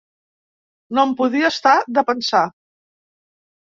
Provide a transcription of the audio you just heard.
No em podia estar de pensar